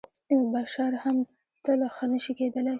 بشر هم تل ښه نه شي کېدلی .